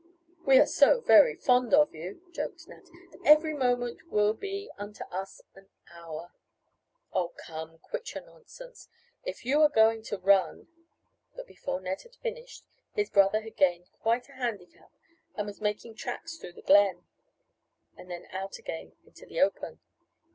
"We are so very fond of you," joked Nat, "that every moment will be unto us an hour " "Oh, come, quit your nonsense, if you are going to run " But before Ned had finished, his brother had gained quite a handicap and was making tracks through the glen, and then out again into the open.